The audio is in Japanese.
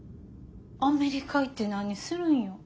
アメリカ行って何するんよ。